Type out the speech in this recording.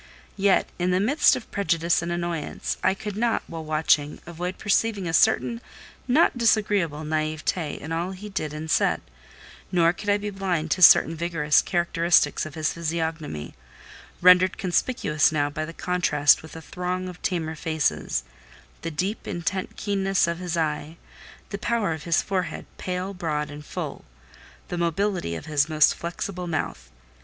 Yet, in the midst of prejudice and annoyance, I could not, while watching, avoid perceiving a certain not disagreeable naïveté in all he did and said; nor could I be blind to certain vigorous characteristics of his physiognomy, rendered conspicuous now by the contrast with a throng of tamer faces: the deep, intent keenness of his eye, the power of his forehead, pale, broad, and full—the mobility of his most flexible mouth.